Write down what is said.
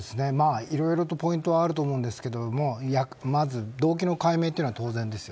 いろいろとポイントはあると思うんですけど動機の解明は当然です。